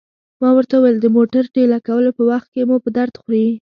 ما ورته وویل: د موټر ټېله کولو په وخت کې مو په درد خوري.